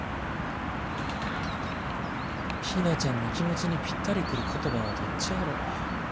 陽菜ちゃんの気持ちにぴったり来る言葉はどっちやろ？